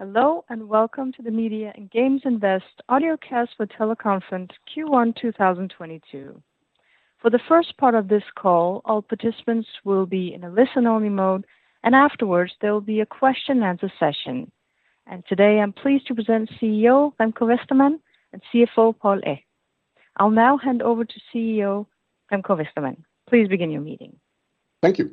Hello, and welcome to the Media and Games Invest audio cast for teleconference Q1 2022. For the first part of this call, all participants will be in a listen-only mode, and afterwards, there will be a question and answer session. Today I'm pleased to present CEO Remco Westermann and CFO Paul Echt. I'll now hand over to CEO Remco Westermann. Please begin your meeting. Thank you.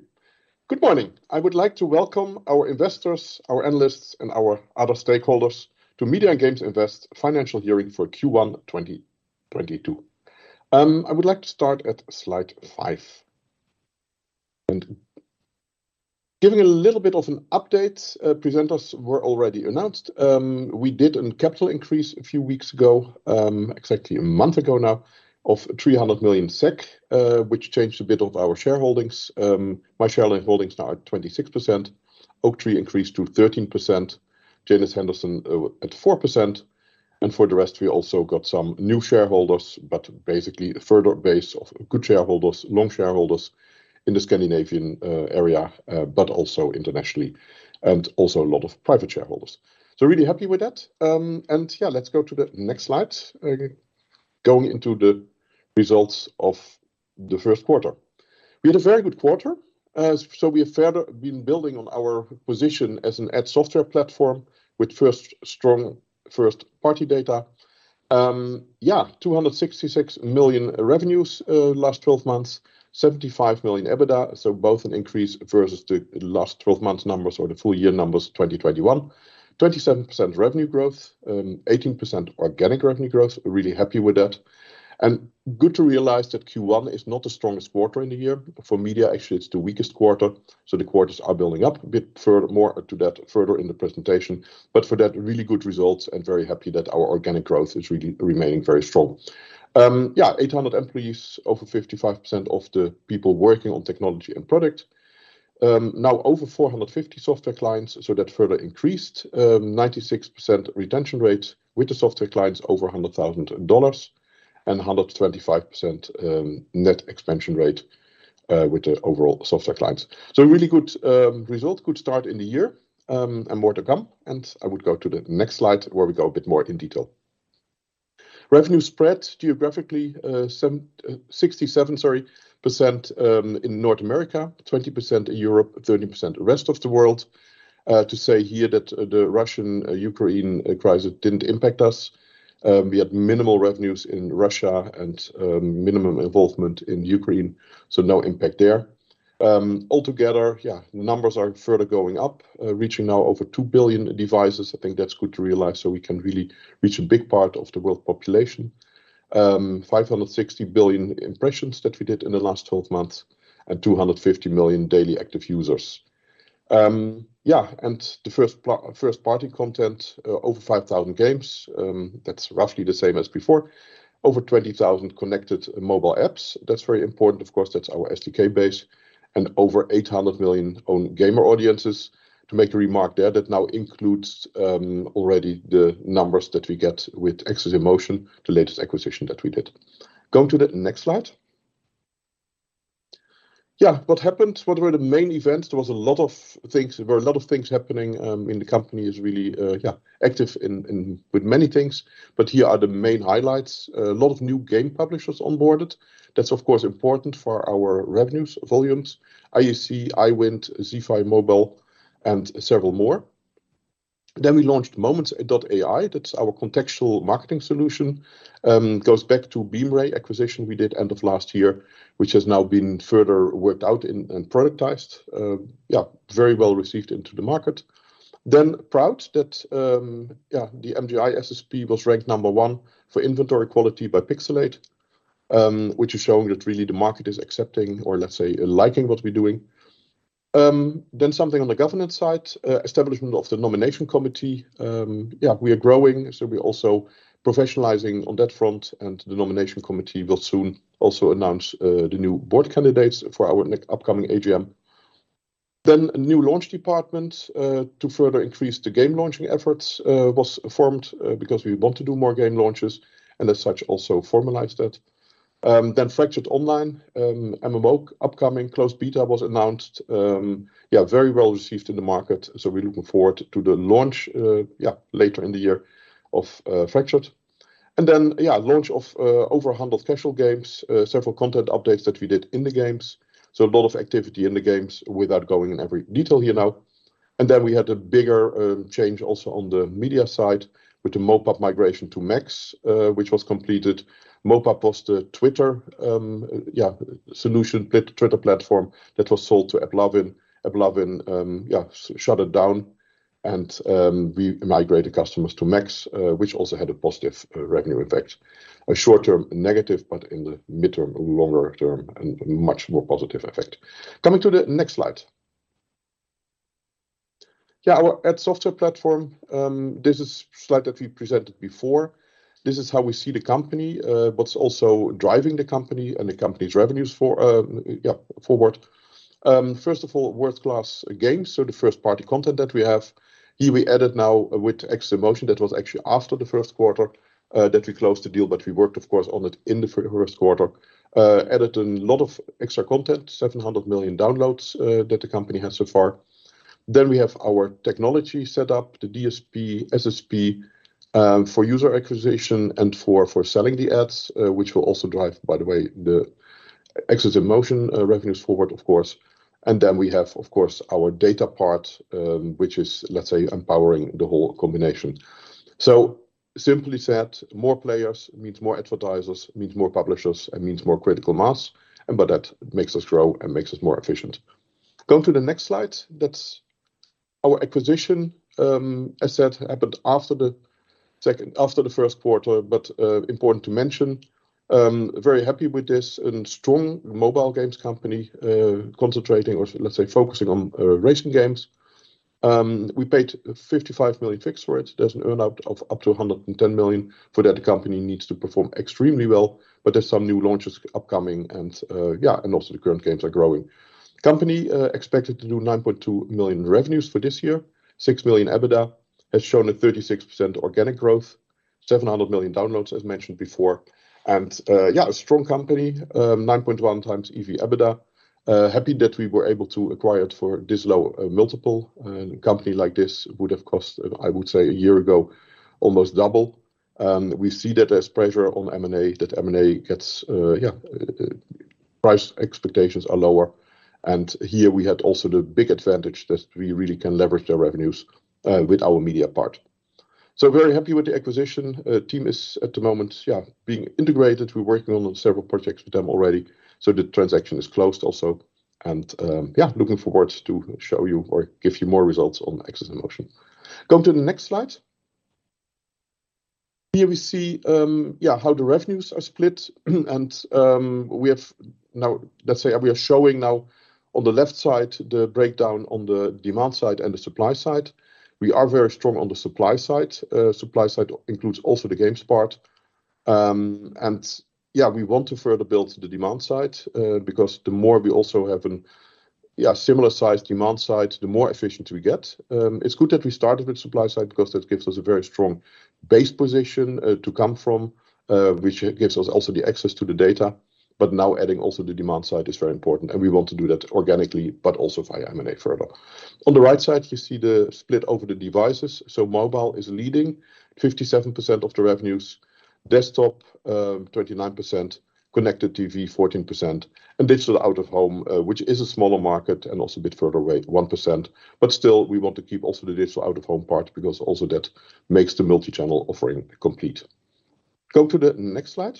Good morning. I would like to welcome our investors, our analysts, and our other stakeholders to Media and Games Invest financial hearing for Q1 2022. I would like to start at slide five. Giving a little bit of an update, presenters were already announced. We did a capital increase a few weeks ago, exactly a month ago now, of 300 million SEK, which changed a bit of our shareholdings. My shareholdings now are 26%. Oaktree increased to 13%. Janus Henderson at 4%. For the rest, we also got some new shareholders, but basically a further base of good shareholders, long shareholders in the Scandinavian area, but also internationally, and also a lot of private shareholders. Really happy with that. Yeah, let's go to the next slide. Going into the results of the first quarter. We had a very good quarter. We have further been building on our position as an ad software platform with first strong first-party data. Two hundred sixty-six million revenues, last twelve months, seventy-five million EBITDA, so both an increase versus the last twelve months numbers or the full year numbers, 2021. 27% revenue growth, eighteen percent organic revenue growth. Really happy with that. Good to realize that Q1 is not the strongest quarter in the year. For media, actually, it's the weakest quarter, so the quarters are building up a bit. Furthermore to that further in the presentation. For that, really good results and very happy that our organic growth is remaining very strong. Eight hundred employees, over 55% of the people working on technology and product. Now over 450 software clients, so that further increased, 96% retention rate with the software clients over $100,000 and 125%, net expansion rate, with the overall software clients. So a really good result. Good start in the year, and more to come. I would go to the next slide where we go a bit more in detail. Revenue spread geographically, sixty-seven, sorry, percent, in North America, 20% Europe, 30% the rest of the world. To say here that the Russian-Ukraine crisis didn't impact us. We had minimal revenues in Russia and, minimum involvement in Ukraine, so no impact there. Altogether, yeah, numbers are further going up, reaching now over 2 billion devices. I think that's good to realize, so we can really reach a big part of the world population. 560 billion impressions that we did in the last twelve months and 250 million daily active users. First party content over 5,000 games. That's roughly the same as before. Over 20,000 connected mobile apps. That's very important. Of course, that's our SDK base. Over 800 million own gamer audiences. To make a remark there, that now includes already the numbers that we get with AxesInMotion, the latest acquisition that we did. Go to the next slide. What happened? What were the main events? There were a lot of things happening in the company is really active in with many things. Here are the main highlights. A lot of new game publishers onboarded. That's of course important for our revenues, volumes. IAC, iWin, Zifi Mobile and several more. We launched Moments.AI. That's our contextual marketing solution. Goes back to Beemray acquisition we did end of last year, which has now been further worked out and productized. Yeah, very well received into the market. Proud that, yeah, the MGI SSP was ranked number one for inventory quality by Pixalate, which is showing that really the market is accepting or let's say liking what we're doing. Something on the governance side, establishment of the nomination committee. Yeah, we are growing, so we're also professionalizing on that front, and the nomination committee will soon also announce the new board candidates for our next upcoming AGM. A new launch department to further increase the game launching efforts was formed because we want to do more game launches, and as such, also formalize that. Fractured Online MMO upcoming closed beta was announced. Yeah, very well received in the market, so we're looking forward to the launch, yeah, later in the year of Fractured. Yeah, launch of over 100 casual games, several content updates that we did in the games. So a lot of activity in the games without going in every detail here now. We had a bigger change also on the media side with the MoPub migration to MAX, which was completed. MoPub was the Twitter solution, Twitter platform that was sold to AppLovin. AppLovin shut it down. We migrated customers to MAX, which also had a positive revenue effect. A short-term negative, but in the midterm, longer term, and much more positive effect. Coming to the next slide. Our ad software platform, this is slide that we presented before. This is how we see the company, what's also driving the company and the company's revenues for, forward. First of all, world-class games, so the first-party content that we have. Here we added now with AxesInMotion, that was actually after the first quarter, that we closed the deal, but we worked, of course, on it in the first quarter. Added a lot of extra content, 700 million downloads that the company has so far. We have our technology set up, the DSP, SSP, for user acquisition and for selling the ads, which will also drive, by the way, the AxesInMotion revenues forward, of course. We have, of course, our data part, which is, let's say, empowering the whole combination. Simply said, more players means more advertisers, means more publishers, and means more critical mass, and by that makes us grow and makes us more efficient. Go to the next slide. That's our acquisition. As said, happened after the first quarter, but important to mention. Very happy with this. Strong mobile games company, concentrating or, let's say, focusing on racing games. We paid 55 million fixed for it. There's an earn-out of up to 110 million. For that, the company needs to perform extremely well, but there's some new launches upcoming and also the current games are growing. Company expected to do 9.2 million revenues for this year. 6 million EBITDA. Has shown 36% organic growth. 700 million downloads, as mentioned before. A strong company, 9.1x EV/EBITDA. Happy that we were able to acquire it for this low multiple. Company like this would have cost, I would say, a year ago, almost double. We see that as pressure on M&A, that M&A gets price expectations are lower. Here we had also the big advantage that we really can leverage their revenues with our media part. Very happy with the acquisition. Team is at the moment being integrated. We're working on several projects with them already, so the transaction is closed also. Looking forward to show you or give you more results on AxesInMotion. Go to the next slide. Here we see how the revenues are split. We have now. Let's say we are showing now on the left side, the breakdown on the demand side and the supply side. We are very strong on the supply side. Supply side includes also the games part. We want to further build the demand side, because the more we also have a similar sized demand side, the more efficient we get. It's good that we started with supply side because that gives us a very strong base position to come from, which gives us also the access to the data. Now adding also the demand side is very important, and we want to do that organically but also via M&A further. On the right side, you see the split over the devices. Mobile is leading, 57% of the revenues. Desktop, 39%. Connected TV, 14%. Digital out-of-home, which is a smaller market and also a bit further away, 1%. Still, we want to keep also the digital out-of-home part because also that makes the multi-channel offering complete. Go to the next slide.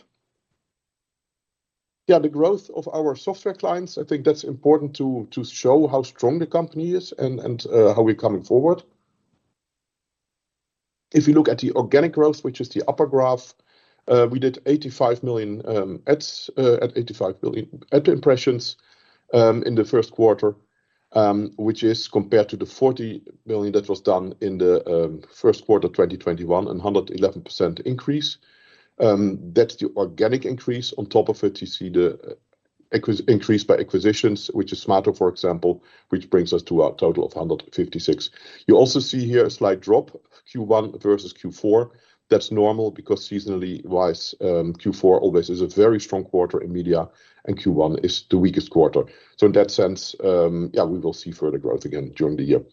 Yeah, the growth of our software clients, I think that's important to show how strong the company is and how we're coming forward. If you look at the organic growth, which is the upper graph, we did 85 million ads at 85 million ad impressions in the first quarter, which is compared to the 40 million that was done in the first quarter of 2021, and 111% increase. That's the organic increase. On top of it, you see the increase by acquisitions, which is Smaato, for example, which brings us to our total of 156. You also see here a slight drop, Q1 versus Q4. That's normal because seasonally wise, Q4 always is a very strong quarter in media, and Q1 is the weakest quarter. In that sense, yeah, we will see further growth again during the year.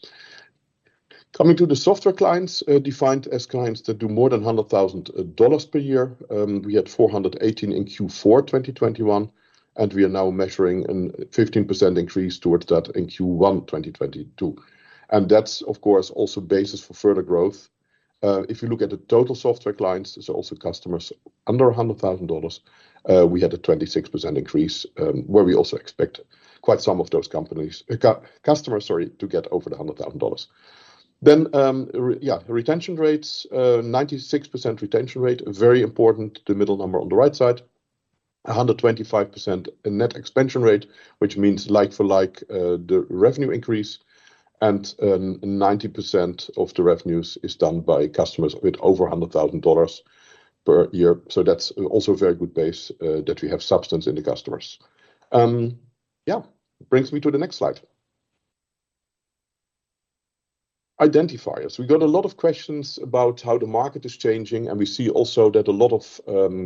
Coming to the software clients, defined as clients that do more than $100,000 per year. We had 418 in Q4 2021, and we are now measuring a 15% increase towards that in Q1 2022. That's, of course, also basis for further growth. If you look at the total software clients, there's also customers under $100,000. We had a 26% increase, where we also expect quite some of those companies, customers, sorry, to get over the $100,000. Retention rates, 96% retention rate, very important, the middle number on the right side. 125% net expansion rate, which means like for like, the revenue increase. 90% of the revenues is done by customers with over $100,000 per year. That's also a very good base that we have substance in the customers. Brings me to the next slide. Identifiers. We got a lot of questions about how the market is changing, and we see also that a lot of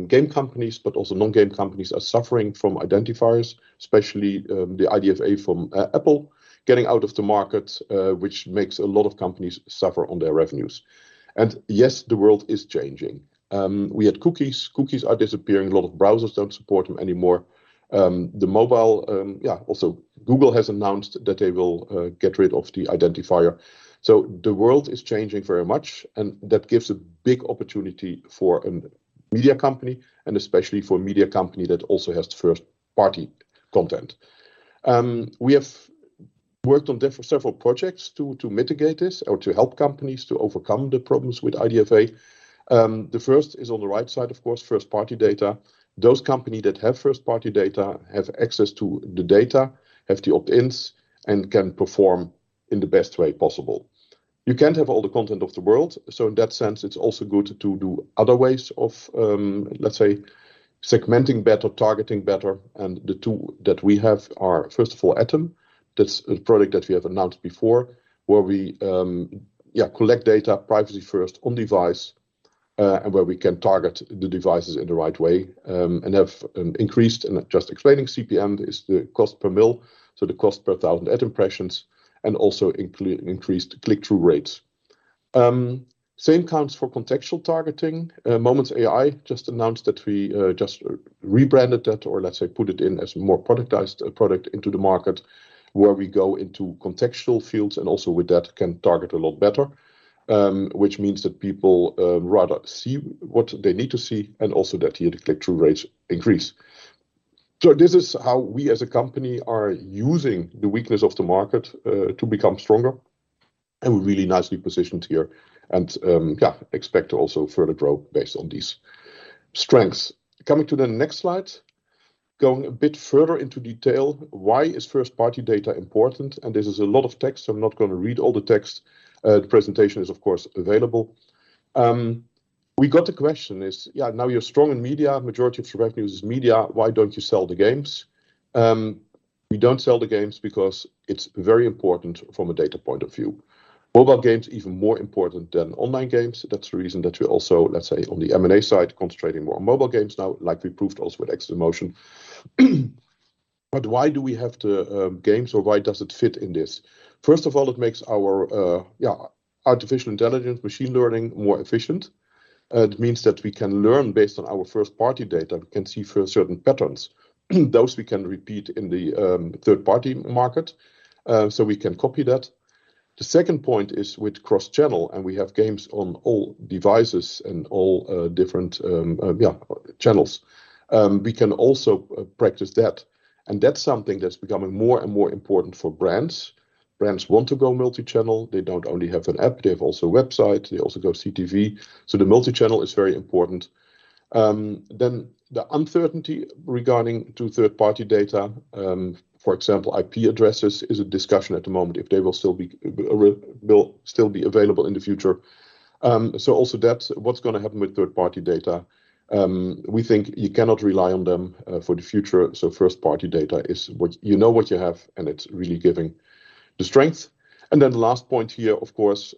game companies, but also non-game companies are suffering from identifiers, especially the IDFA from Apple getting out of the market, which makes a lot of companies suffer on their revenues. Yes, the world is changing. We had cookies. Cookies are disappearing. A lot of browsers don't support them anymore. The mobile, also google has announced that they will get rid of the identifier. The world is changing very much, and that gives a big opportunity for a media company, and especially for a media company that also has first-party content. We have worked on several projects to mitigate this or to help companies to overcome the problems with IDFA. The first is on the right side, of course, first-party data. Those companies that have first-party data have access to the data, have the opt-ins, and can perform in the best way possible. You can't have all the content of the world, so in that sense it's also good to do other ways of, let's say segmenting better, targeting better. The two that we have are, first of all, ATOM. That's a product that we have announced before, where we collect data privacy-first on device, and where we can target the devices in the right way, and have an increased, just explaining CPM is the cost per mil, so the cost per thousand ad impressions, and also increased click-through rates. Same counts for contextual targeting. Moments.AI just announced that we just rebranded that or, let's say, put it in as more productized product into the market where we go into contextual fields, and also with that can target a lot better, which means that people rather see what they need to see and also that here the click-through rates increase. This is how we as a company are using the weakness of the market to become stronger, and we're really nicely positioned here and expect to also further grow based on these strengths. Coming to the next slide. Going a bit further into detail, why is first-party data important? This is a lot of text, so I'm not gonna read all the text. The presentation is, of course, available. We got a question: now you're strong in media, majority of your revenues is media, why don't you sell the games? We don't sell the games because it's very important from a data point of view. Mobile games even more important than online games. That's the reason that we also, let's say, on the M&A side, concentrating more on mobile games now, like we proved also with AxesInMotion. Why do we have games or why does it fit in this? First of all, it makes our artificial intelligence, machine learning more efficient. It means that we can learn based on our first-party data. We can see for certain patterns, those we can repeat in the third-party market, so we can copy that. The second point is with cross-channel, and we have games on all devices and all channels. We can also practice that, and that's something that's becoming more and more important for brands. Brands want to go multi-channel. They don't only have an app, they have also website, they also go CTV. The multi-channel is very important. The uncertainty regarding to third-party data, for example, IP addresses is a discussion at the moment, if they will still be available in the future. Also that's what's gonna happen with third-party data. We think you cannot rely on them for the future. First-party data is what you know what you have, and it's really giving the strength. Then the last point here, of course,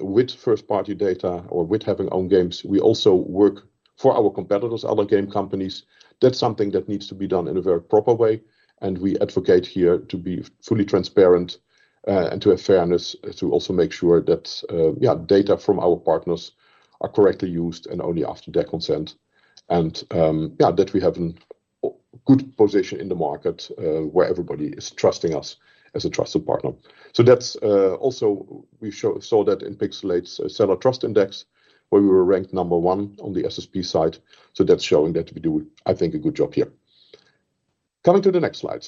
with first-party data or with having own games, we also work for our competitors, other game companies. That's something that needs to be done in a very proper way, and we advocate here to be fully transparent, and to have fairness to also make sure that, yeah, data from our partners are correctly used and only after their consent. Yeah, that we have a good position in the market, where everybody is trusting us as a trusted partner. That's also we saw that in Pixalate's Seller Trust Index, where we were ranked number one on the SSP side. That's showing that we do, I think, a good job here. Coming to the next slide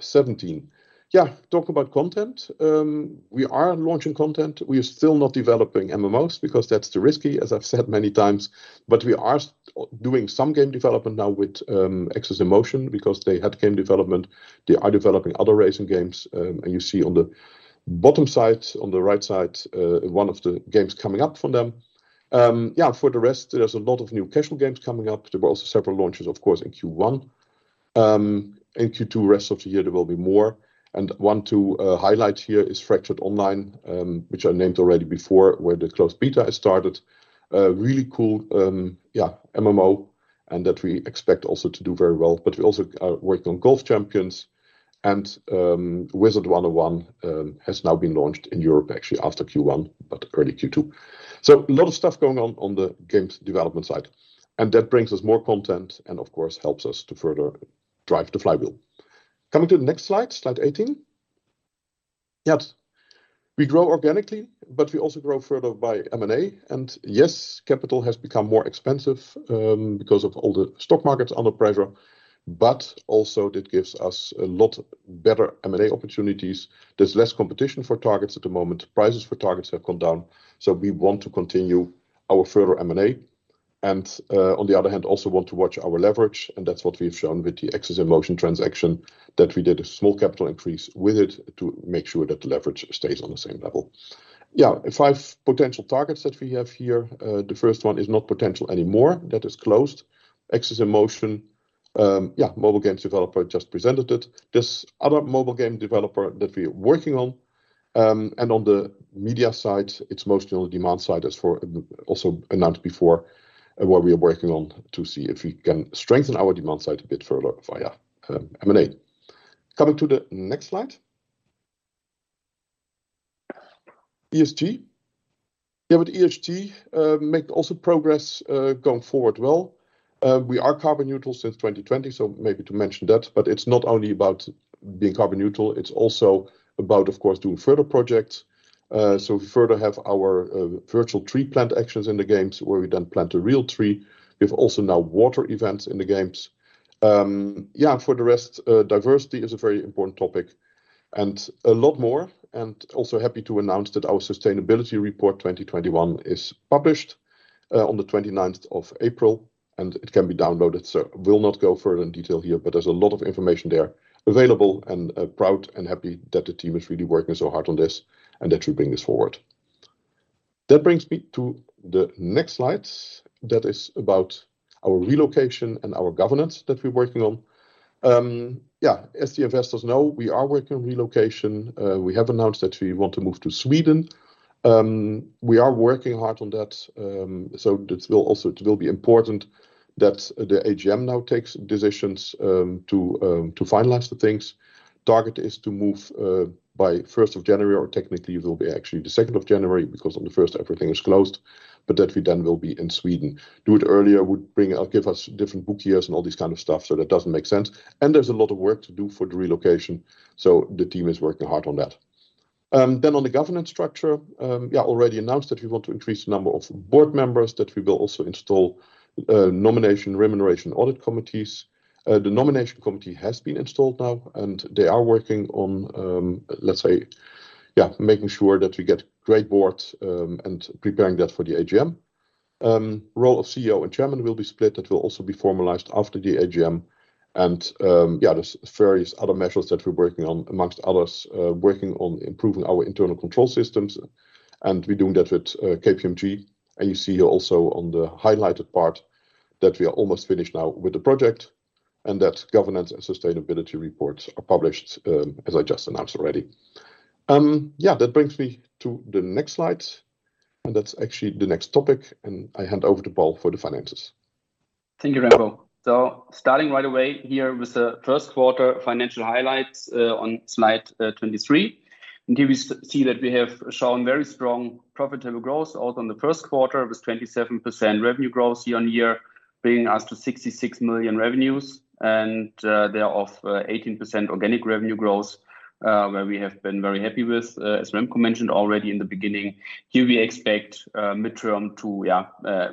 17. Talk about content. We are launching content. We are still not developing MMOs because that's too risky, as I've said many times. We are doing some game development now with AxesInMotion because they had game development. They are developing other racing games, and you see on the bottom side, on the right side, one of the games coming up from them. Yeah, for the rest, there's a lot of new casual games coming up. There were also several launches, of course, in Q1. In Q2, rest of the year, there will be more. One to highlight here is Fractured Online, which I named already before, where the closed beta has started. A really cool yeah MMO, and that we expect also to do very well. We also are working on Golf Champions and Wizard101 has now been launched in Europe, actually after Q1, but early Q2. A lot of stuff going on on the games development side, and that brings us more content and of course helps us to further drive the flywheel. Coming to the next slide 18. Yes, we grow organically, but we also grow further by M&A. Yes, capital has become more expensive because of all the stock markets under pressure, but also that gives us a lot better M&A opportunities. There's less competition for targets at the moment. Prices for targets have come down. We want to continue our further M&A, and, on the other hand, also want to watch our leverage, and that's what we've shown with the AxesInMotion transaction, that we did a small capital increase with it to make sure that the leverage stays on the same level. Yeah, five potential targets that we have here. The first one is not potential anymore. That is closed. AxesInMotion, yeah, mobile games developer just presented it. This other mobile game developer that we are working on, and on the media side, it's mostly on the demand side as we also announced before, what we are working on to see if we can strengthen our demand side a bit further via, M&A. Coming to the next slide. ESG. Yeah, with ESG, make also progress, going forward well. We are carbon neutral since 2020, so maybe to mention that, but it's not only about being carbon neutral, it's also about, of course, doing further projects. We further have our virtual tree plant actions in the games where we then plant a real tree. We have also now water events in the games. Yeah, for the rest, diversity is a very important topic and a lot more. Also happy to announce that our sustainability report 2021 is published on the April 29th, and it can be downloaded. We'll not go further in detail here, but there's a lot of information there available, and proud and happy that the team is really working so hard on this and that we bring this forward. That brings me to the next slide. That is about our relocation and our governance that we're working on. As the investors know, we are working on relocation. We have announced that we want to move to Sweden. We are working hard on that, so it will be important that the AGM now takes decisions to finalize the things. Target is to move by first of January, or technically it will be actually the second of January, because on the first everything is closed, but then we will be in Sweden. Doing it earlier would give us different book years and all this kind of stuff, so that doesn't make sense. There's a lot of work to do for the relocation, so the team is working hard on that. On the governance structure, already announced that we want to increase the number of board members, that we will also install nomination, remuneration, audit committees. The nomination committee has been installed now, and they are working on making sure that we get great boards and preparing that for the AGM. Role of CEO and chairman will be split. That will also be formalized after the AGM. There's various other measures that we're working on, amongst others, working on improving our internal control systems. We're doing that with KPMG. You see also on the highlighted part that we are almost finished now with the project and that governance and sustainability reports are published, as I just announced already. Yeah, that brings me to the next slide, and that's actually the next topic. I hand over to Paul for the finances. Thank you, Remco. Starting right away here with the first quarter financial highlights, on slide 23. Here we see that we have shown very strong profitable growth out on the first quarter. It was 27% revenue growth year-on-year, bringing us to 66 million revenues. They are of 18% organic revenue growth, where we have been very happy with, as Remco mentioned already in the beginning. Here we expect, midterm to,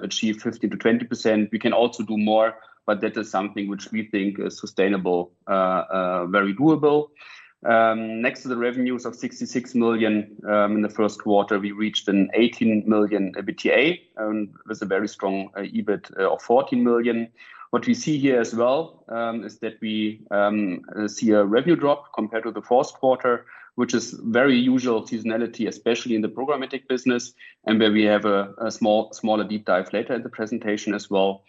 achieve 15%-20%. We can also do more, but that is something which we think is sustainable, very doable. Next to the revenues of 66 million, in the first quarter, we reached 18 million EBITDA, with a very strong EBIT of 14 million. What we see here as well is that we see a revenue drop compared to the first quarter, which is very usual seasonality, especially in the programmatic business, and where we have a smaller deep dive later in the presentation as well.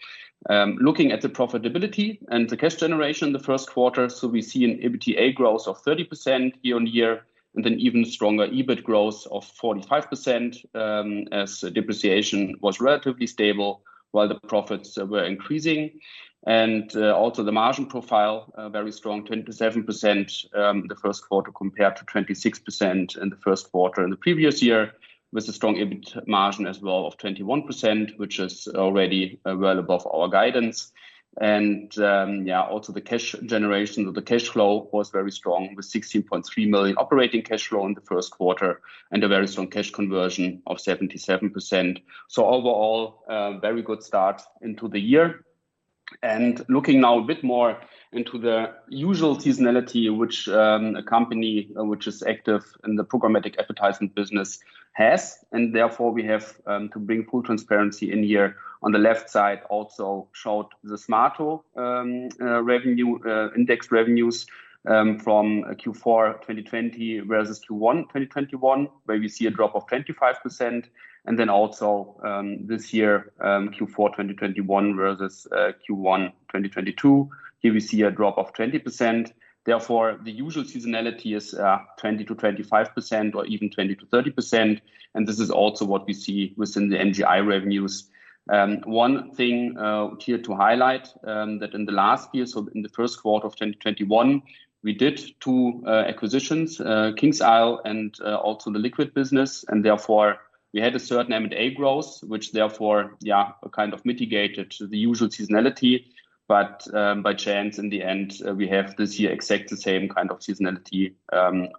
Looking at the profitability and the cash generation in the first quarter, we see an EBITDA growth of 30% year-on-year, and an even stronger EBIT growth of 45%, as depreciation was relatively stable while the profits were increasing. Also the margin profile very strong, 27% the first quarter compared to 26% in the first quarter in the previous year, with a strong EBIT margin as well of 21%, which is already well above our guidance. The cash generation or the cash flow was very strong with 16.3 million operating cash flow in the first quarter and a very strong cash conversion of 77%. Overall, a very good start into the year. Looking now a bit more into the usual seasonality which a company which is active in the programmatic advertising business has, and therefore we have to bring full transparency in here. On the left side also showed the Smaato revenue indexed revenues from Q4 2020 versus Q1 2021, where we see a drop of 25%. Then also Q4 2021 versus Q1 2022, here we see a drop of 20%. Therefore, the usual seasonality is 20%-25% or even 20%-30%. This is also what we see within the MGI revenues. One thing here to highlight that in the last year, so in the first quarter of 2021, we did two acquisitions, KingsIsle and also the LKQD business. Therefore, we had a certain M&A growth, which therefore kind of mitigated the usual seasonality. By chance, in the end, we have this year exactly the same kind of seasonality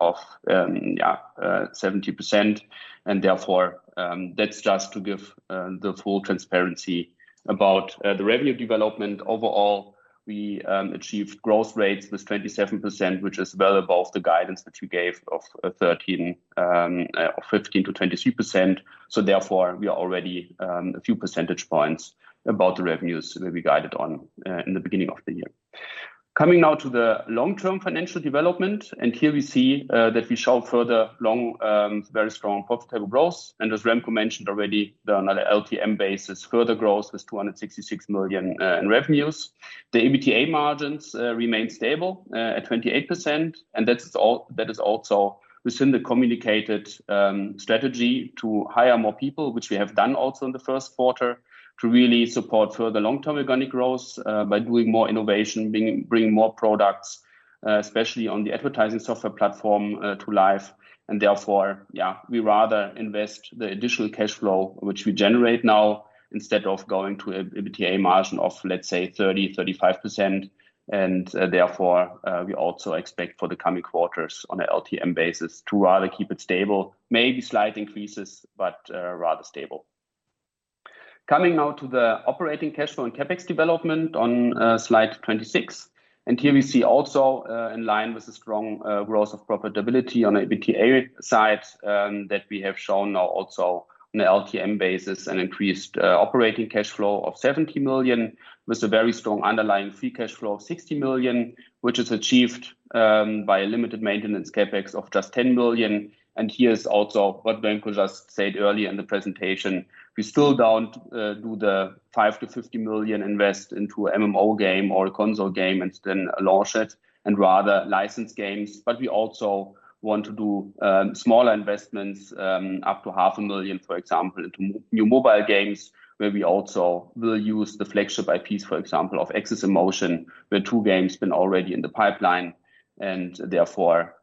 of 70%. Therefore, that's just to give the full transparency about the revenue development. Overall, we achieved growth rates with 27%, which is well above the guidance that we gave of 13 or 15%-23%. Therefore, we are already a few percentage points above the revenues that we guided on in the beginning of the year. Coming now to the long-term financial development, here we see that we show further long-term very strong profitable growth. As Remco mentioned already, there on a LTM basis. Further growth is 266 million in revenues. The EBITDA margins remain stable at 28%. That is also within the communicated strategy to hire more people, which we have done also in the first quarter, to really support further long-term organic growth, by doing more innovation, bringing more products, especially on the advertising software platform, to life. Therefore, we rather invest the additional cash flow which we generate now instead of going to a EBITDA margin of, let's say, 30%-35%. Therefore, we also expect for the coming quarters on a LTM basis to rather keep it stable. Maybe slight increases, but rather stable. Coming now to the operating cash flow and CapEx development on slide 26. Here we see also in line with the strong growth of profitability on EBITDA side that we have shown now also on the LTM basis an increased operating cash flow of 70 million, with a very strong underlying free cash flow of 60 million, which is achieved by a limited maintenance CapEx of just 10 billion. Here is also what Remco Westermann just said earlier in the presentation. We still don't do the 5 million-50 million invest into MMO game or console game and then launch it and rather license games. We also want to do smaller investments up to half a million, for example, into new mobile games, where we also will use the flagship IP, for example, of AxesInMotion, where two games been already in the pipeline. Therefore,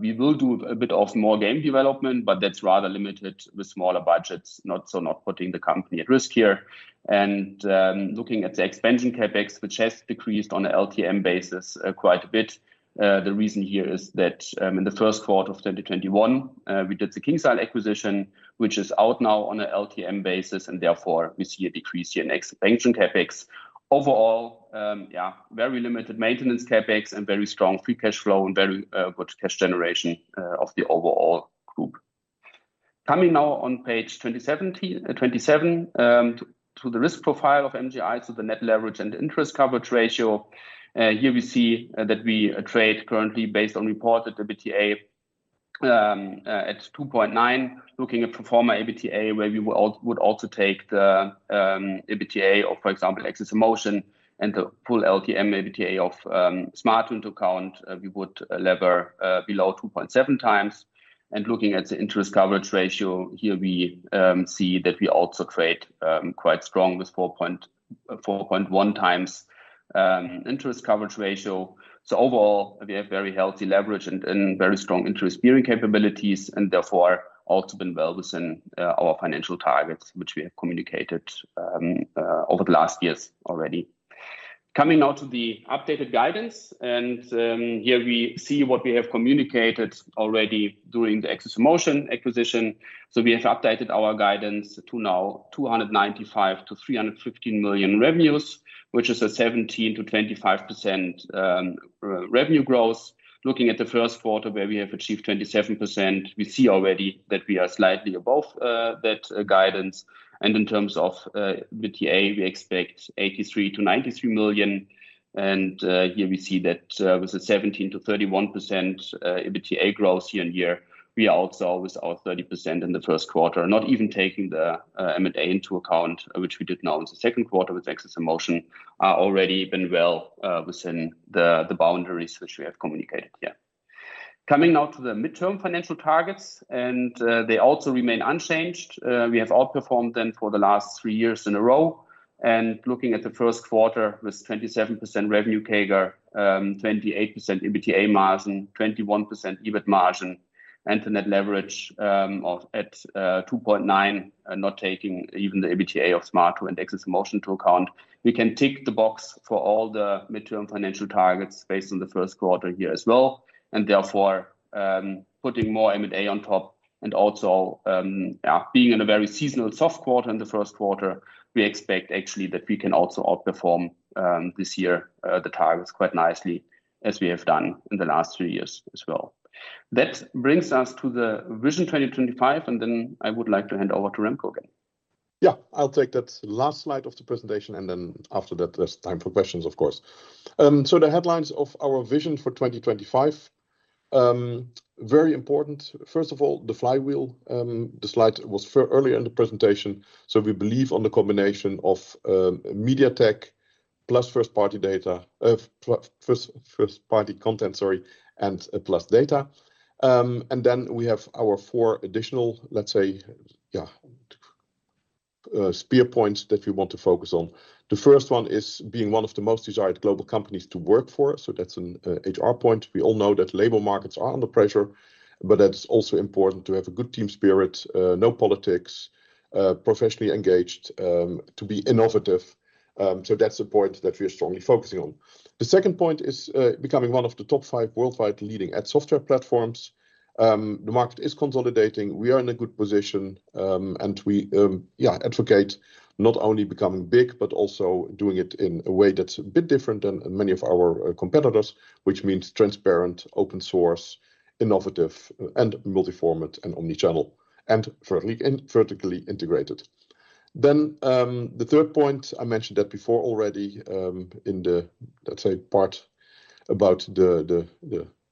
we will do a bit more game development, but that's rather limited with smaller budgets, not putting the company at risk here. Looking at the expansion CapEx, which has decreased on the LTM basis, quite a bit. The reason here is that, in the first quarter of 2021, we did the KingsIsle acquisition, which is out now on an LTM basis, and therefore we see a decrease here in expansion CapEx. Overall, yeah, very limited maintenance CapEx and very strong free cash flow and very good cash generation of the overall group. Coming now on page 27 to the risk profile of MGI, so the net leverage and interest coverage ratio. Here we see that we trade currently based on reported EBITDA at 2.9. Looking at pro forma EBITDA, where we would also take the EBITDA of, for example, AxesInMotion and the full LTM EBITDA of Smaato into account, we would leverage below 2.7x. Looking at the interest coverage ratio, here we see that we also trade quite strong with 4.1x interest coverage ratio. Overall, we have very healthy leverage and very strong interest bearing capabilities, and therefore also been well within our financial targets, which we have communicated over the last years already. Coming now to the updated guidance, here we see what we have communicated already during the AxesInMotion acquisition. We have updated our guidance to now 295-315 million revenues, which is a 17%-25% revenue growth. Looking at the first quarter where we have achieved 27%, we see already that we are slightly above that guidance. In terms of EBITDA, we expect 83-93 million. Here we see that with a 17%-31% EBITDA growth year-over-year, we are also with our 30% in the first quarter, not even taking the M&A into account, which we did now in the second quarter with AxesInMotion, are already well within the boundaries which we have communicated here. Coming now to the midterm financial targets, they also remain unchanged. We have outperformed them for the last three years in a row. Looking at the first quarter with 27% revenue CAGR, 28% EBITDA margin, 21% EBIT margin, and the net leverage of 2.9, not taking even the EBITDA of Smaato and AxesInMotion into account. We can tick the box for all the midterm financial targets based on the first quarter here as well, and therefore, putting more M&A on top and also, being in a very seasonal soft quarter in the first quarter, we expect actually that we can also outperform, this year, the targets quite nicely as we have done in the last three years as well. That brings us to the Vision 2025, and then I would like to hand over to Remco again. Yeah. I'll take that last slide of the presentation, and then after that, there's time for questions, of course. The headlines of our vision for 2025, very important. First of all, the flywheel, the slide was earlier in the presentation. We believe on the combination of media tech plus first-party data, first-party content and data. Then we have our four additional, let's say, spear points that we want to focus on. The first one is being one of the most desired global companies to work for. That's an HR point. We all know that labor markets are under pressure, but that it's also important to have a good team spirit, no politics, professionally engaged, to be innovative. That's a point that we are strongly focusing on. The second point is becoming one of the top five worldwide leading ad software platforms. The market is consolidating. We are in a good position, and we, yeah, advocate not only becoming big but also doing it in a way that's a bit different than many of our competitors, which means transparent, open source, innovative and multi-format and omni-channel, and vertically integrated. The third point, I mentioned that before already, in the, let's say, part about the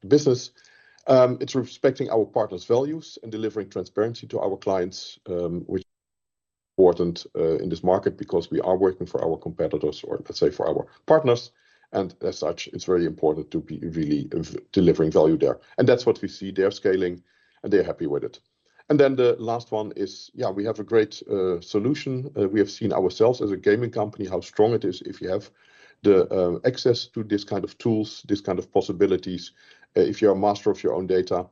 business. It's respecting our partners' values and delivering transparency to our clients, which is important in this market because we are working for our competitors or, let's say, for our partners. As such, it's very important to be really delivering value there. That's what we see. They are scaling, and they're happy with it. Then the last one is, yeah, we have a great solution. We have seen ourselves as a gaming company, how strong it is if you have the access to this kind of tools, this kind of possibilities, if you're a master of your own data.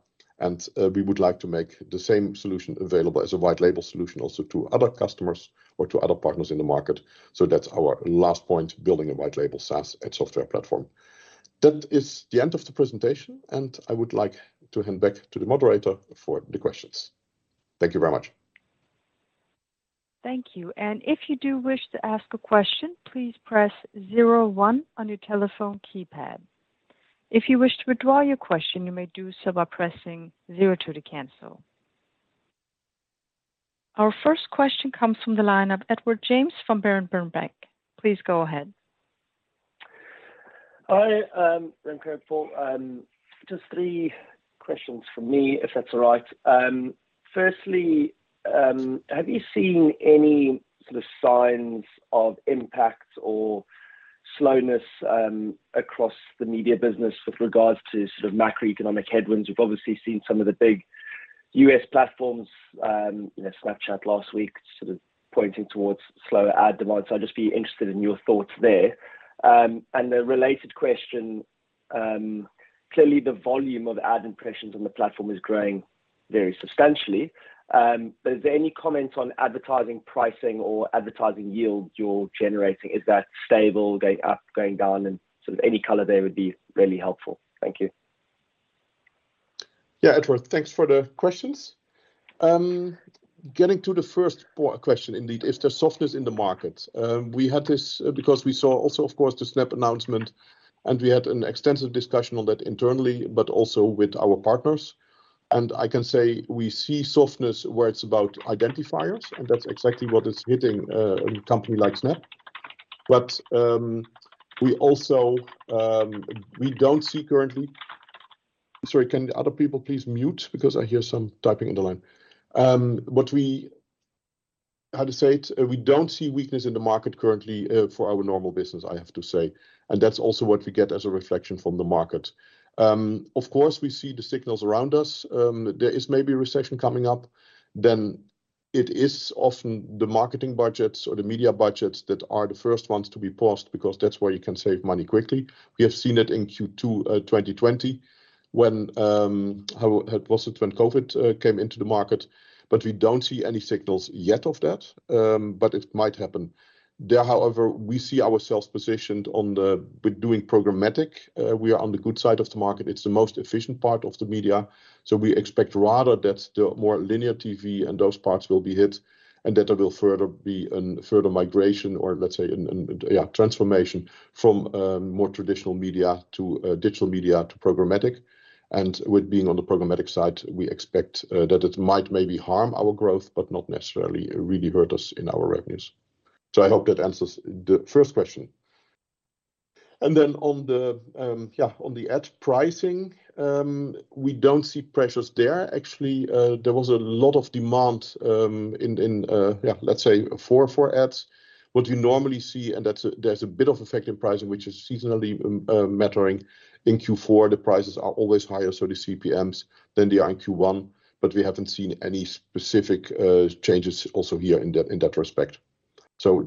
We would like to make the same solution available as a white label solution also to other customers or to other partners in the market. That's our last point, building a white label SaaS ad software platform. That is the end of the presentation, and I would like to hand back to the moderator for the questions. Thank you very much. Thank you. If you do wish to ask a question, please press zero one on your telephone keypad. If you wish to withdraw your question, you may do so by pressing zero two to cancel. Our first question comes from the line of Edward James from Berenberg Bank. Please go ahead. Hi, Remco and Paul. Just three questions from me, if that's all right. Firstly, have you seen any sort of signs of impact or slowness across the media business with regards to sort of macroeconomic headwinds? We've obviously seen some of the big U.S. platforms, you know, Snapchat last week sort of pointing towards slower ad demand. I'd just be interested in your thoughts there. A related question, clearly the volume of ad impressions on the platform is growing very substantially. Is there any comment on advertising pricing or advertising yield you're generating? Is that stable, going up, going down? Sort of any color there would be really helpful. Thank you. Yeah, Edward, thanks for the questions. Getting to the first question indeed, is there softness in the market? We had this because we saw also, of course, the Snap announcement, and we had an extensive discussion on that internally, but also with our partners. I can say we see softness where it's about identifiers, and that's exactly what is hitting a company like Snap. We also don't see currently. Sorry, can other people please mute because I hear some typing on the line. How to say it? We don't see weakness in the market currently for our normal business, I have to say. That's also what we get as a reflection from the market. Of course, we see the signals around us. There is maybe a recession coming up. It is often the marketing budgets or the media budgets that are the first ones to be paused because that's where you can save money quickly. We have seen it in Q2 2020, when COVID came into the market. We don't see any signals yet of that, but it might happen. There, however, we see ourselves positioned with doing programmatic. We are on the good side of the market. It's the most efficient part of the media. We expect rather that the more linear TV and those parts will be hit and that there will further be a further migration or let's say a transformation from more traditional media to digital media to programmatic. With being on the programmatic side, we expect that it might maybe harm our growth, but not necessarily really hurt us in our revenues. I hope that answers the first question. On the ad pricing, we don't see pressures there. Actually, there was a lot of demand in yeah, let's say for ads. What you normally see, there's a bit of effective pricing which is seasonally mattering. In Q4, the prices are always higher, so the CPMs than they are in Q1, but we haven't seen any specific changes also here in that respect.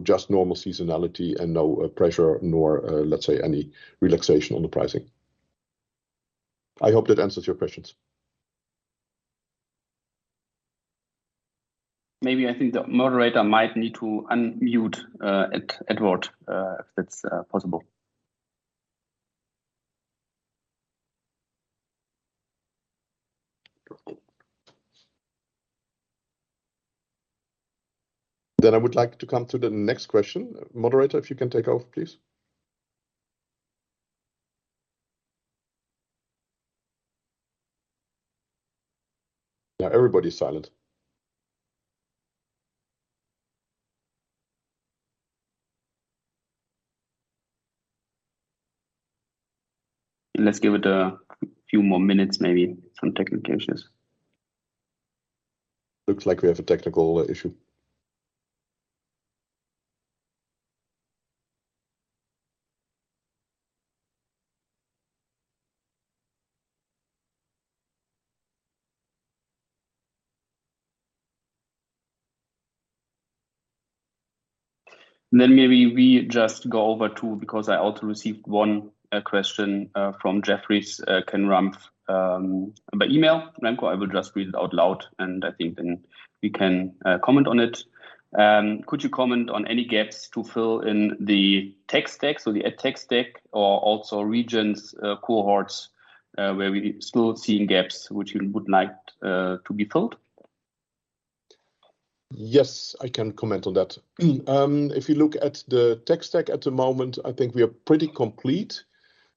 Just normal seasonality and no pressure nor, let's say, any relaxation on the pricing. I hope that answers your questions. Maybe I think the moderator might need to unmute Edward, if that's possible. I would like to come to the next question. Moderator, if you can take over, please. Now everybody's silent. Let's give it a few more minutes, maybe some technical issues. Looks like we have a technical issue. Because I also received one question from Jeffrey Kenramph by email. Remco, I will just read it out loud, and I think then you can comment on it. Could you comment on any gaps to fill in the tech stack, so the tech stack or also regions, cohorts, where we're still seeing gaps which you would like to be filled? Yes, I can comment on that. If you look at the tech stack at the moment, I think we are pretty complete.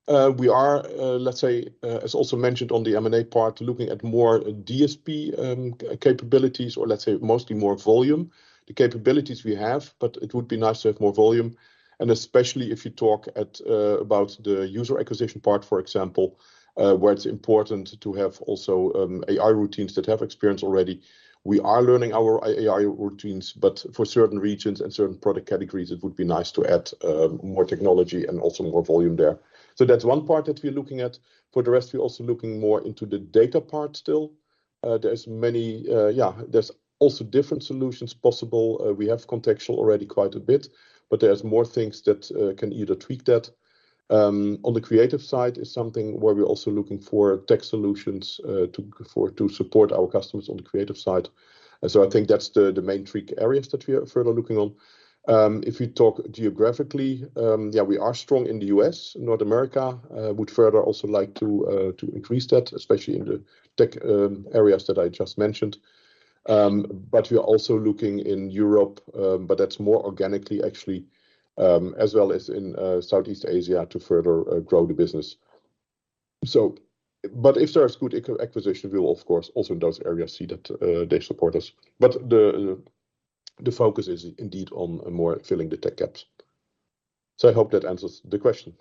We are, let's say, as also mentioned on the M&A part, looking at more DSP capabilities or let's say mostly more volume. The capabilities we have, but it would be nice to have more volume. Especially if you talk about the user acquisition part, for example, where it's important to have also AI routines that have experience already. We are learning our AI routines, but for certain regions and certain product categories, it would be nice to add more technology and also more volume there. That's one part that we're looking at. For the rest, we're also looking more into the data part still. There's many, there's also different solutions possible. We have contextual already quite a bit, but there's more things that can either tweak that. On the creative side is something where we're also looking for tech solutions to support our customers on the creative side. I think that's the main three areas that we are further looking on. If you talk geographically, yeah, we are strong in the U.S., North America. We would further also like to increase that, especially in the tech areas that I just mentioned. We are also looking in Europe, but that's more organically actually, as well as in Southeast Asia to further grow the business. If there are good acquisitions, we will of course also in those areas see that they support us. The focus is indeed on more filling the tech gaps. I hope that answers the question.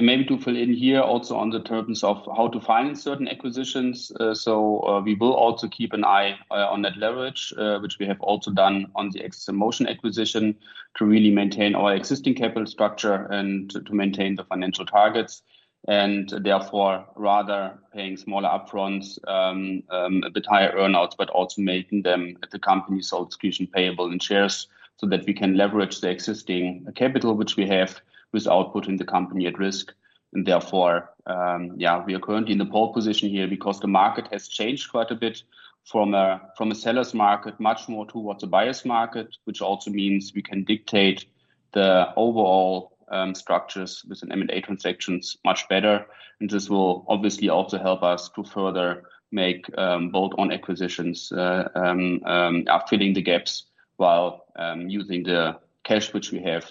Maybe to fill in here also on the terms of how to fund certain acquisitions. We will also keep an eye on that leverage, which we have also done on the AxesInMotion acquisition to really maintain our existing capital structure and to maintain the financial targets. Therefore rather paying smaller upfronts at the higher earn-outs, but also making them at the company's sole discretion payable in shares so that we can leverage the existing capital which we have without putting the company at risk. Therefore, we are currently in the pole position here because the market has changed quite a bit from a seller's market much more towards a buyer's market, which also means we can dictate the overall structures with M&A transactions much better. This will obviously also help us to further make bolt-on acquisitions, filling the gaps while using the cash which we have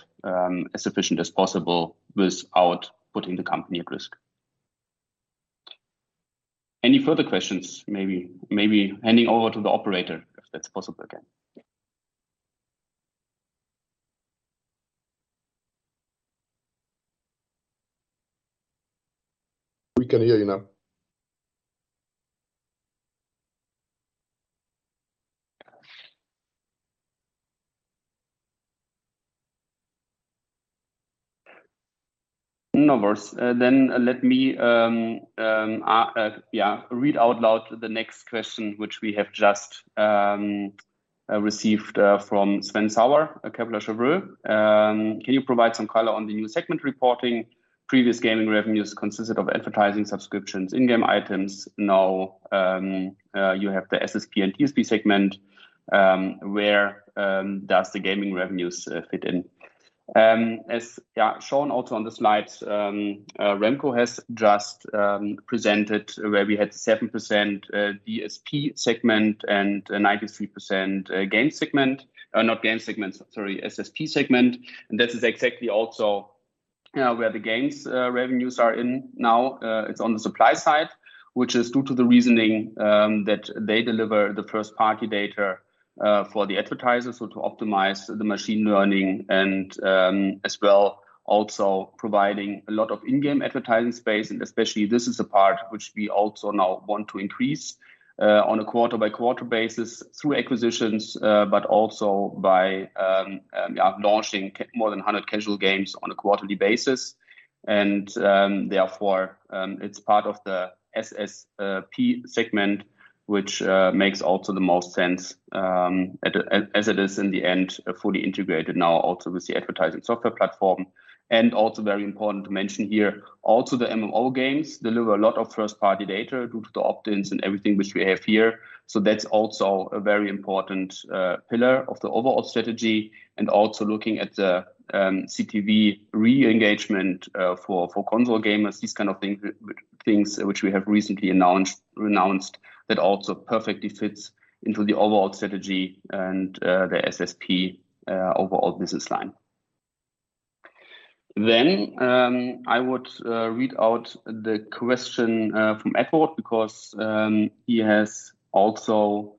as efficient as possible without putting the company at risk. Any further questions? Maybe handing over to the operator, if that's possible again? Yeah. We can hear you now. No worries. Then let me read out loud the next question which we have just received from Sven Sauer at Kepler Cheuvreux. Can you provide some color on the new segment reporting? Previous gaming revenues consisted of advertising subscriptions, in-game items. Now you have the SSP and DSP segment. Where does the gaming revenues fit in? As shown also on the slides, Remco has just presented where we had 7% DSP segment and 93% game segment. Not game segment, sorry, SSP segment. That is exactly also where the games revenues are in now. It's on the supply side, which is due to the reasoning that they deliver the first party data for the advertisers so to optimize the machine learning and, as well also providing a lot of in-game advertising space. Especially this is the part which we also now want to increase on a quarter-by-quarter basis through acquisitions, but also by launching more than 100 casual games on a quarterly basis. Therefore, it's part of the SSP segment, which makes also the most sense as it is in the end, fully integrated now also with the advertising software platform. Also very important to mention here, also the MMO games deliver a lot of first-party data due to the opt-ins and everything which we have here. That's also a very important pillar of the overall strategy and also looking at the CTV re-engagement for console gamers, these kind of things which we have recently announced that also perfectly fits into the overall strategy and the SSP overall business line. I would read out the question from Edward James because he has also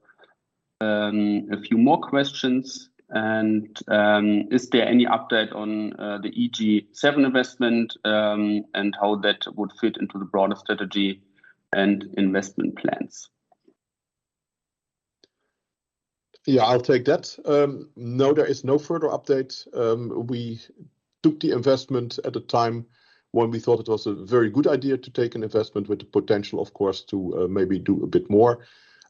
a few more questions and is there any update on the EG7 investment and how that would fit into the broader strategy and investment plans? Yeah, I'll take that. No, there is no further update. We took the investment at a time when we thought it was a very good idea to take an investment with the potential, of course, to maybe do a bit more.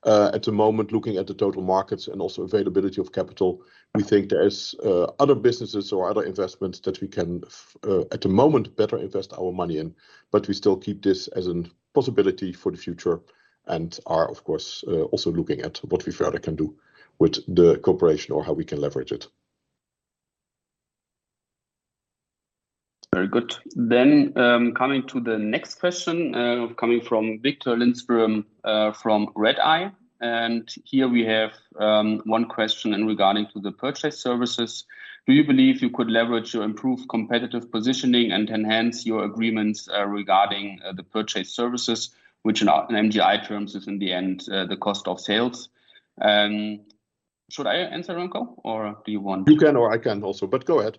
At the moment, looking at the total markets and also availability of capital, we think there's other businesses or other investments that we can at the moment better invest our money in. We still keep this as a possibility for the future and are, of course, also looking at what we further can do with the cooperation or how we can leverage it. Very good. Coming to the next question, coming from Viktor Lindström from Redeye, and here we have one question in regard to the purchase services. Do you believe you could leverage your improved competitive positioning and enhance your agreements regarding the purchase services which in MGI terms is in the end the cost of sales? Should I answer, Remco, or do you want to? You can or I can also, but go ahead.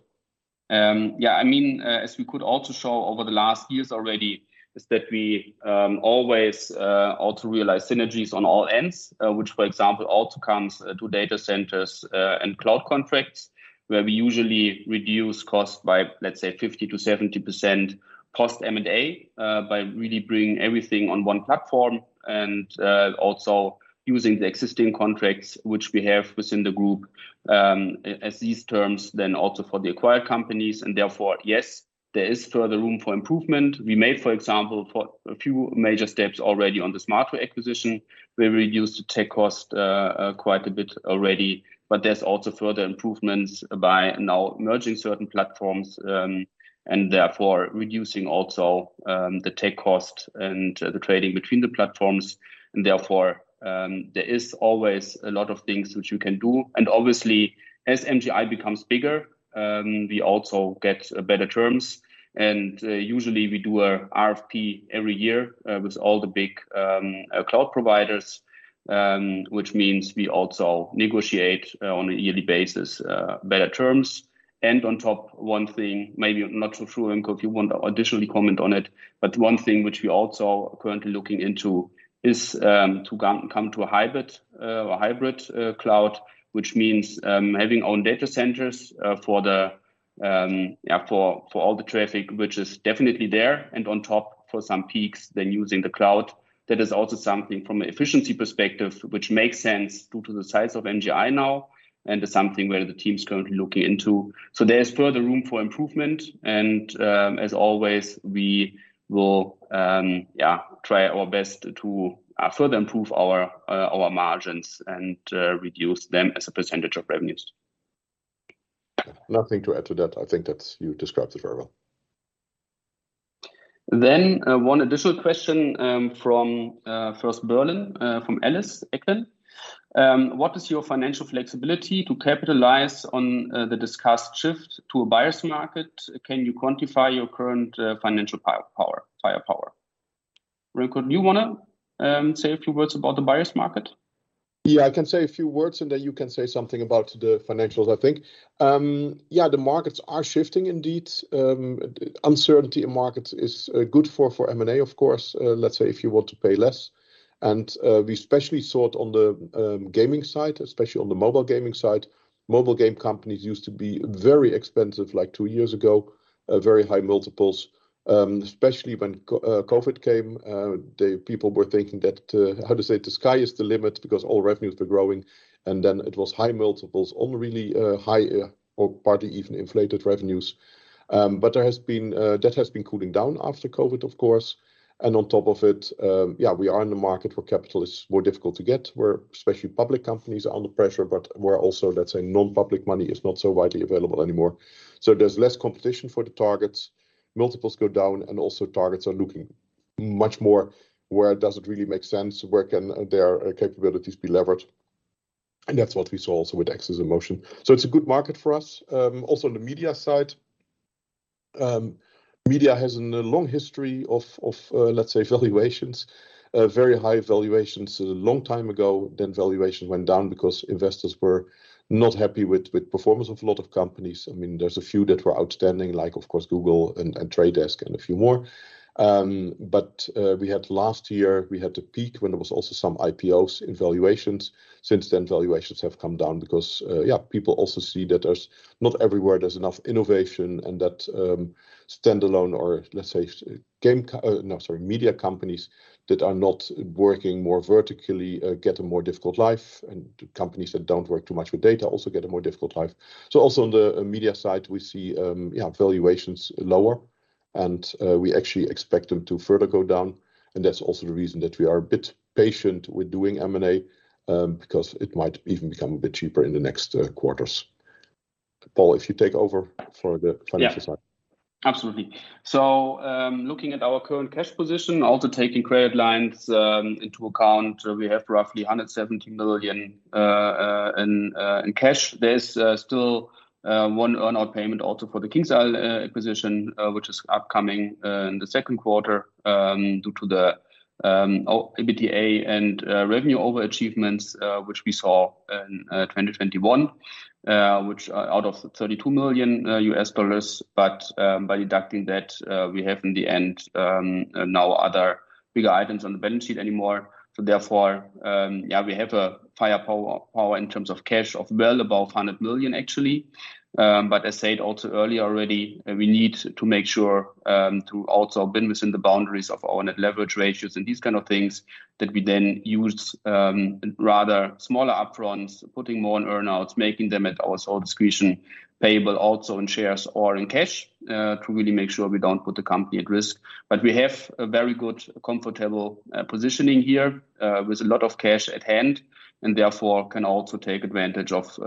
Yeah, I mean, as we could also show over the last years already is that we always also realize synergies on all ends, which for example also comes to data centers and cloud contracts, where we usually reduce cost by, let's say 50% to 70% post M&A, by really bringing everything on one platform and also using the existing contracts which we have within the group, as these terms then also for the acquired companies and therefore, yes, there is further room for improvement. We made, for example, for a few major steps already on the Smaato acquisition, where we reduced the tech cost quite a bit already. There's also further improvements by now merging certain platforms and therefore reducing also the tech cost and the trading between the platforms. Therefore, there is always a lot of things which you can do. Obviously as MGI becomes bigger, we also get better terms. Usually we do a RFP every year with all the big cloud providers, which means we also negotiate on a yearly basis better terms. On top, one thing, maybe not so sure, Remco, if you want to additionally comment on it, but one thing which we also currently looking into is to come to a hybrid cloud, which means having own data centers for all the traffic, which is definitely there, and on top for some peaks then using the cloud. That is also something from an efficiency perspective, which makes sense due to the size of MGI now, and something where the team's currently looking into. There is further room for improvement, and, as always, we will try our best to further improve our margins and reduce them as a percentage of revenues. Nothing to add to that. I think that's. You described it very well. One additional question from First Berlin from Ellis Acklin. What is your financial flexibility to capitalize on the discussed shift to a buyer's market? Can you quantify your current financial fire-power? Remco Westermann, do you wanna say a few words about the buyer's market? Yeah, I can say a few words, and then you can say something about the financials, I think. Yeah, the markets are shifting indeed. Uncertainty in markets is good for M&A, of course, let's say if you want to pay less. We especially saw it on the gaming side, especially on the mobile gaming side. Mobile game companies used to be very expensive, like two years ago, very high multiples. Especially when COVID came, people were thinking that, how to say, the sky is the limit because all revenues were growing, and then it was high multiples on really, high or partly even inflated revenues. That has been cooling down after COVID, of course. On top of it, we are in the market where capital is more difficult to get, where especially public companies are under pressure, but where also, let's say, non-public money is not so widely available anymore. There's less competition for the targets. Multiples go down, and also targets are looking much more where does it really make sense? Where can their capabilities be levered? That's what we saw also with AxesInMotion. It's a good market for us. Also on the media side, media has a long history of, let's say, valuations, very high valuations a long time ago. Valuation went down because investors were not happy with performance of a lot of companies. I mean, there's a few that were outstanding, like of course, Google and The Trade Desk and a few more. We had last year a peak when there was also some IPOs in valuations. Since then, valuations have come down because, yeah, people also see that there's not everywhere enough innovation and that, standalone or let's say media companies that are not working more vertically get a more difficult life. Companies that don't work too much with data also get a more difficult life. Also on the media side, we see, yeah, valuations lower, and we actually expect them to further go down. That's also the reason that we are a bit patient with doing M&A, because it might even become a bit cheaper in the next quarters. Paul, if you take over for the financial side. Yeah. Absolutely. Looking at our current cash position, also taking credit lines into account, we have roughly 170 million in cash. There's still one earn-out payment also for the KingsIsle acquisition, which is upcoming in the second quarter, due to the EBITDA and revenue overachievements which we saw in 2021, which is $32 million. By deducting that, we have in the end no other bigger items on the balance sheet anymore. Therefore, yeah, we have firepower in terms of cash of well above 100 million actually. I said also earlier already, we need to make sure to also be within the boundaries of our net leverage ratios and these kind of things that we then use rather smaller upfronts, putting more on earn-outs, making them also at our discretion, payable also in shares or in cash, to really make sure we don't put the company at risk. We have a very good comfortable positioning here with a lot of cash at hand, and therefore can also take advantage of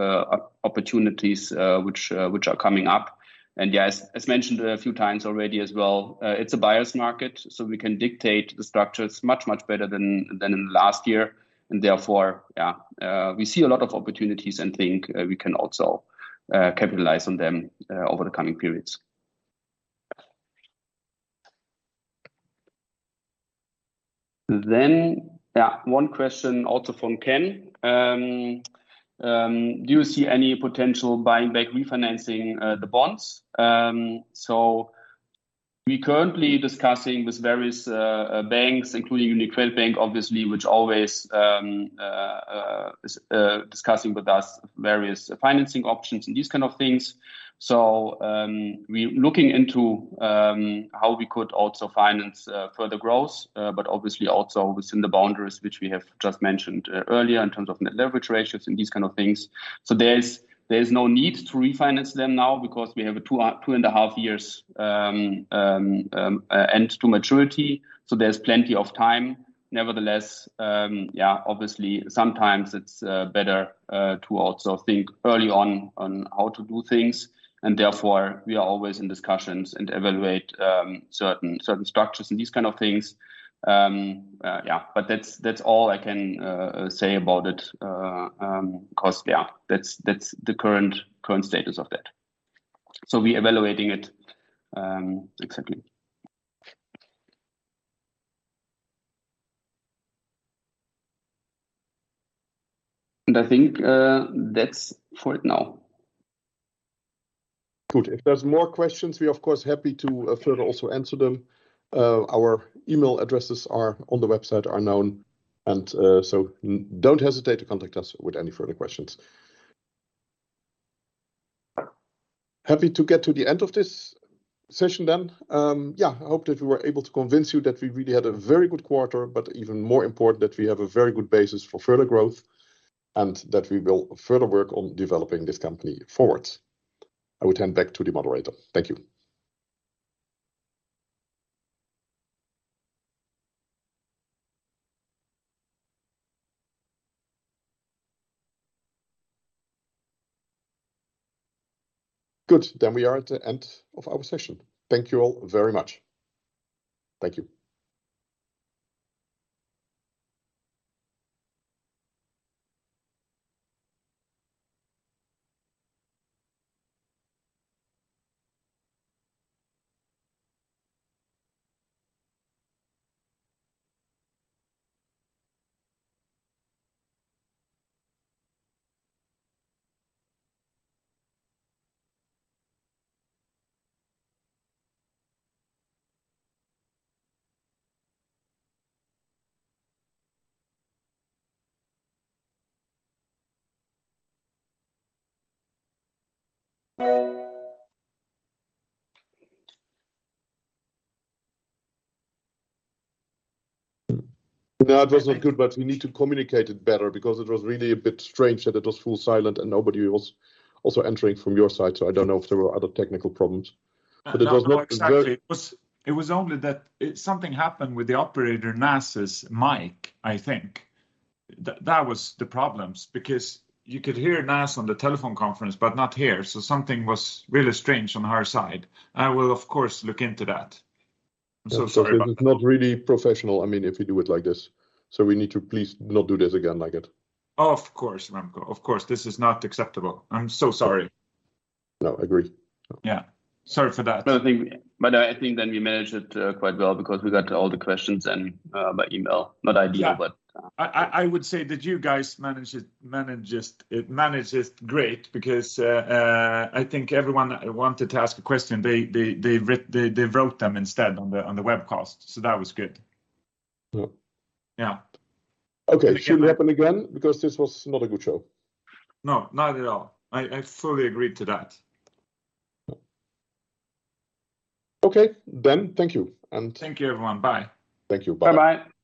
opportunities which are coming up. Yeah, as mentioned a few times already as well, it's a buyer's market, so we can dictate the structures much better than in last year. Therefore, we see a lot of opportunities and think we can also capitalize on them over the coming periods. One question also from Ken. Do you see any potential buying back refinancing the bonds? We currently discussing with various banks, including UniCredit Bank, obviously, which always is discussing with us various financing options and these kind of things. We looking into how we could also finance further growth, but obviously also within the boundaries which we have just mentioned earlier in terms of net leverage ratios and these kind of things. There's no need to refinance them now because we have 2.5 years end to maturity, so there's plenty of time. Nevertheless, yeah, obviously sometimes it's better to also think early on how to do things, and therefore we are always in discussions and evaluate certain structures and these kind of things. Yeah. That's all I can say about it, because yeah, that's the current status of that. We evaluating it exactly. I think that's for it now. Good. If there's more questions, we of course happy to further also answer them. Our email addresses are on the website, are known, and so don't hesitate to contact us with any further questions. Happy to get to the end of this session then. Yeah, I hope that we were able to convince you that we really had a very good quarter, but even more important that we have a very good basis for further growth and that we will further work on developing this company forward. I will hand back to the moderator. Thank you. Good. Then we are at the end of our session. Thank you all very much. Thank you. No, it wasn't good, but we need to communicate it better because it was really a bit strange that it was full silent and nobody was also entering from your side. I don't know if there were other technical problems. It was not very No, exactly. It was only that something happened with the operator Nasse's mic, I think. That was the problems because you could hear Nasse on the telephone conference, but not here. Something was really strange on her side. I will of course look into that. I'm so sorry about that. It is not really professional, I mean, if you do it like this. We need to please not do this again like it. Of course, Remco. Of course, this is not acceptable. I'm so sorry. No, agreed. Yeah. Sorry for that. No, I think we managed it quite well because we got all the questions and by email. Not ideal, but Yeah. I would say that you guys managed it great because I think everyone wanted to ask a question, they wrote them instead on the webcast. So that was good. Yeah. Yeah. Okay. It shouldn't happen again because this was not a good show. No, not at all. I fully agree to that. Okay. Thank you and. Thank you everyone. Bye. Thank you. Bye. Bye-bye